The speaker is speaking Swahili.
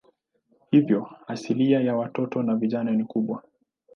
Hivyo asilimia ya watoto na vijana ni kubwa.